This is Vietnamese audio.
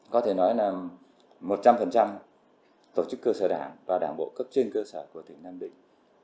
có thể nói là một trăm linh tổ chức cơ sở đảng và đảng bộ cấp trên cơ sở của tỉnh nam định